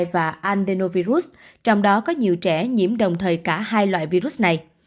và andenovirus trong đó có nhiều trẻ nhiễm đồng thời cả hai loại virus này